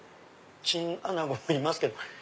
チンアナゴもいますけど。